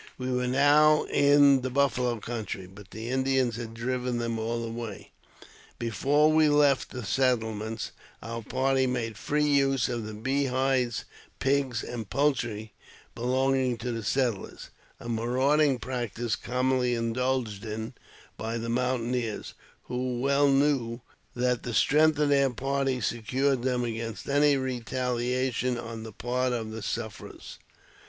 We were now in the buffalo country, but the Indians had driven them all away. Before we left the settlements, our party made free use of the beehives, pigs, and poultry belonging to the settlers; a marauding practice commonly indulged in by the mountaineers, who well knew that the strength of their party secured them against any retaliation on the part of the sufferers.